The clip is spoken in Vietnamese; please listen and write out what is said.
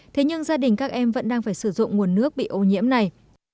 thế nhưng gia đình các em vẫn đang phải sử dụng nguồn nước bị ô nhiễm này